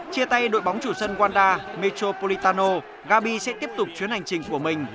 chia tay đội bóng chủ dân wanda metropolitano gabi sẽ tiếp tục chuyến hành trình của mình